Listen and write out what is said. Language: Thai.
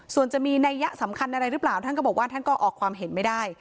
ส่วนจะมีนัยยะสำคัญอะไรหรือเปล่าท่านก็บอกว่าท่านก็ออกความเห็นไม่ได้